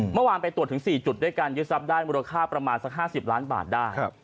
เมื่อวานไปตรวจถึง๔จุดด้วยการยึดทรัพย์ได้มูลค่าประมาณสัก๕๐ล้านบาทได้